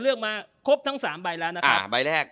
เลือกมาครบทั้ง๓ใบแล้วนะครับ